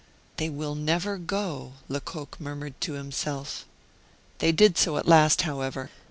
"They will never go!" Lecoq murmured to himself. They did so at last, however.